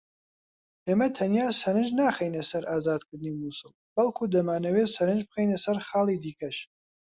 ئێمە تەنیا سەرنج ناخەینە سەر ئازادکردنی موسڵ بەڵکو دەمانەوێت سەرنج بخەینە سەر خاڵی دیکەش